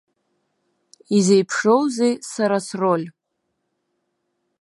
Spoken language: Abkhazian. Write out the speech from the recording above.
Изеиԥшроузеи сара сроль?